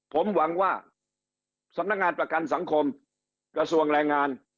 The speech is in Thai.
ผมหวังว่าสำนักงานประกันสังคมกระทรวงแรงงาน